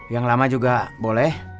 yang lama juga boleh